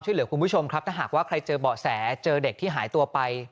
คุณผู้ชมครับถ้าหากว่าใครเจอเบาะแสเจอเด็กที่หายตัวไป